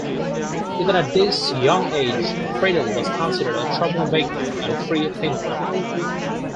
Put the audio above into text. Even at this young age, Friedell was considered a trouble maker and free thinker.